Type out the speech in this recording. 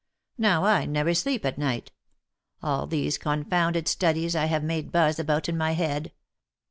Now I never sleep at night. All these confounded studies I have made buzz about in my head.